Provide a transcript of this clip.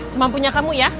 semampunya kamu ya